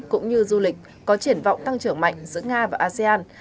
cũng như du lịch có triển vọng tăng trưởng mạnh giữa nga và asean